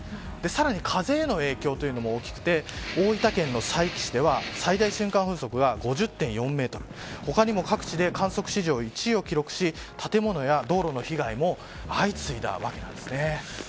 さらに風への影響というのも大きくて大分県の佐伯市では最大瞬間風速は５０．４メートル他にも各地で、観測史上１位を記録し、建物や道路の被害も相次いだわけなんですね。